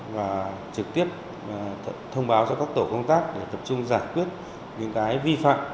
và trực tiếp thông báo cho các tổ công tác để tập trung giải quyết những vi phạm